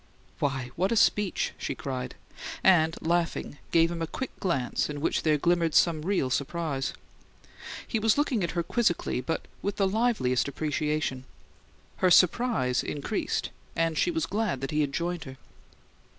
"Why, what a speech!" she cried, and, laughing, gave him a quick glance in which there glimmered some real surprise. He was looking at her quizzically, but with the liveliest appreciation. Her surprise increased; and she was glad that he had joined her.